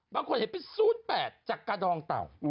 บางคนเห็นเป็น๐๘จากกระดองเต่า